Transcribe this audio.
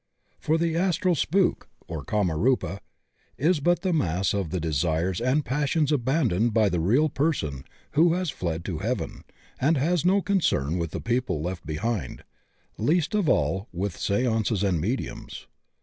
For the astral spook — or Kamarupa — is but the mass of the desires and passions abandoned by the real person who has fled to "heaven" and has no concern with the people left behind, least of all with seances and mediums.